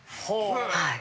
はい。